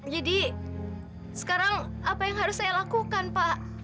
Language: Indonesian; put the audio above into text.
jadi sekarang apa yang harus saya lakukan pak